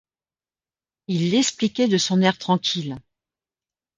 Il l’expliquait de son air tranquille.